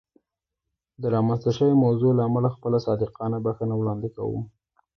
د رامنځته شوې موضوع له امله خپله صادقانه بښنه وړاندې کوم.